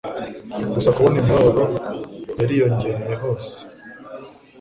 gusa kubona imibabaro yariyongereye hose